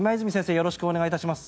よろしくお願いします。